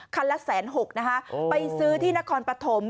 ละแสนหกนะคะไปซื้อที่นครปฐม